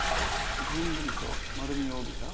ずんぐりと丸みを帯びた。